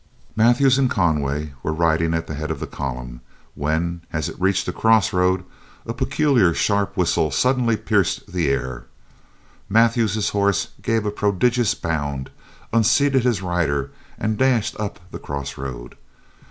Mathews and Conway were riding at the head of the column, when, as it reached a cross road, a peculiar sharp whistle suddenly pierced the air. Mathews's horse gave a prodigious bound, unseated his rider, and dashed up the cross road.